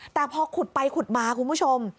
แต่พอขุดไปขุดมาคุณผู้ชม